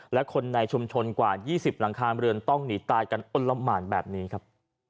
และคนในชุมชนกว่า๒๐หลังคาเรือนต้องหนีตายกันอ้นละหมานแบบนี้ครับ